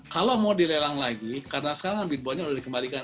kalau mau dilelang lagi karena sekarang bitbolnya sudah dikembalikan